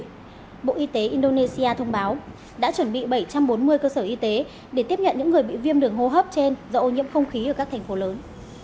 trước đó bộ y tế indonesia thông báo đã chuẩn bị bảy trăm bốn mươi cơ sở y tế để tiếp nhận những người bị viêm đường hô hấp trên do ô nhiễm không khí ở các thành phố lớn